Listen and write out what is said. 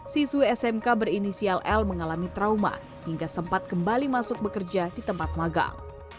siswi smk berinisial l mengalami trauma hingga sempat kembali masuk bekerja di tempat magang